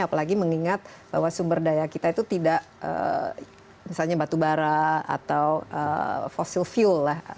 apalagi mengingat bahwa sumber daya kita itu tidak misalnya batubara atau fossil fuel lah